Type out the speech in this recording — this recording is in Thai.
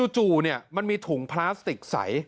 จู่มันมีถุงพลาสติกใส